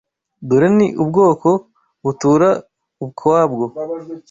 Dore ni ubwoko butura ukwabwo